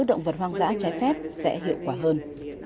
động vật hoang dã trái phép sẽ hiệu quả hơn